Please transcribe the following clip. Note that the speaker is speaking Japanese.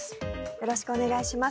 よろしくお願いします。